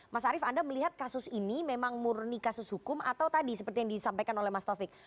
mas arief anda melihat kasus ini memang murni kasus hukum atau tadi seperti yang disampaikan oleh mas taufik